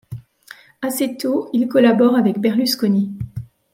Assez tôt, il collabore avec Berlusconi.